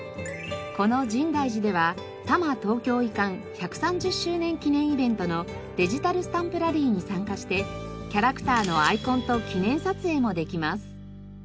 この深大寺では多摩東京移管１３０周年記念イベントのデジタルスタンプラリーに参加してキャラクターのアイコンと記念撮影もできます。